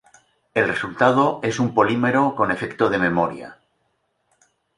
El resultado es un polímero con efecto de memoria.